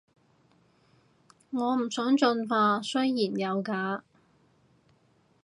我唔想進化，雖然有假